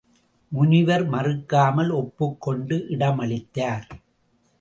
முனிவர் மறுக்காமல் ஒப்புக் கொண்டு இடமளித்தார்.